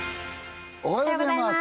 おはようございます！